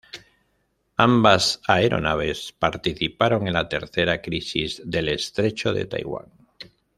Ambas aeronaves participaron en la Tercera Crisis del Estrecho de Taiwán.